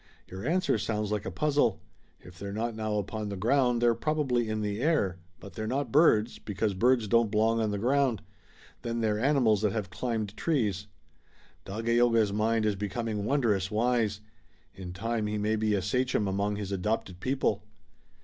"Your answer sounds like a puzzle. If they're not now upon the ground they're probably in the air, but they're not birds, because birds don't belong on the ground. Then they're animals that have climbed trees." "Dagaeoga's mind is becoming wondrous wise. In time he may be a sachem among his adopted people."